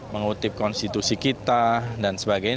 mengutip konstitusi kita dan sebagainya